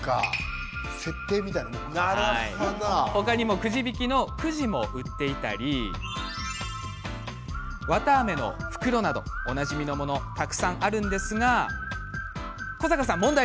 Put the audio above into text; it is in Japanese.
他にもくじ引きのくじを売っていたり綿あめの袋などおなじみのものがたくさんあるんですが古坂さんに問題。